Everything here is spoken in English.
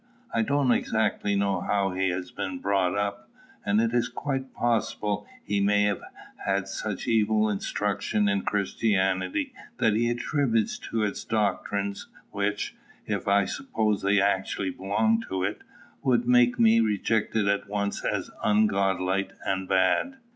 I don't exactly know how he has been brought up; and it is quite possible he may have had such evil instruction in Christianity that he attributes to it doctrines which, if I supposed they actually belonged to it, would make me reject it at once as ungodlike and bad.